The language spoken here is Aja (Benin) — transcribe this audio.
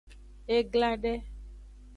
E gla de.